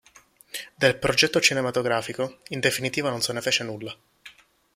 Del progetto cinematografico, in definitiva non se ne fece nulla.